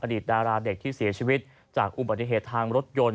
ดีตดาราเด็กที่เสียชีวิตจากอุบัติเหตุทางรถยนต์